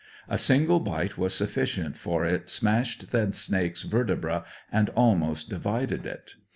A single bite was sufficient, for it smashed the snake's vertebrae and almost divided it.